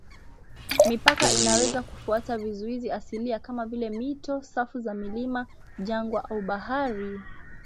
Mipaka inaweza kufuata vizuizi asilia kama vile mito, safu za milima, jangwa au bahari.